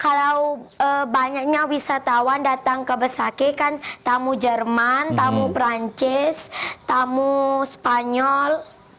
kalau banyaknya wisatawan datang ke besake kan tamu jerman tamu perancis tamu spanyol